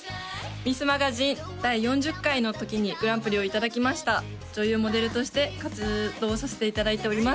ミスマガジン第４０回の時にグランプリをいただきました女優モデルとして活動させていただいております